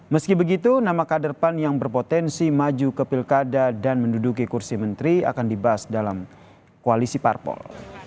meski begitu nama kader pan yang berpotensi maju ke pilkada dan menduduki kursi menteri akan dibahas dalam koalisi parpol